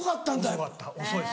遅かった遅いです。